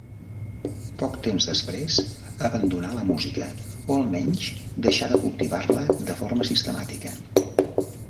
Poc temps després abandonà la música, o, almenys, deixà de cultivar-la de forma sistemàtica.